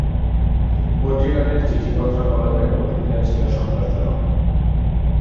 পত্রিকাটির চিঠিপত্র কলামের প্রতিক্রিয়া ছিল সন্তোষজনক।